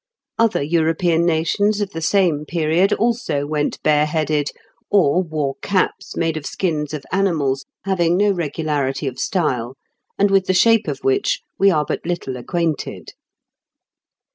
Other European nations of the same period also went bareheaded, or wore caps made of skins of animals, having no regularity of style, and with the shape of which we are but little acquainted.